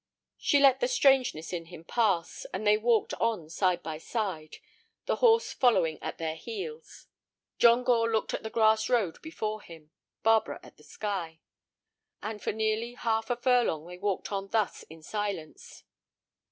She let the strangeness in him pass, and they walked on side by side, the horse following at their heels. John Gore looked at the grass road before him, Barbara at the sky. And for nearly half a furlong they walked on thus in silence.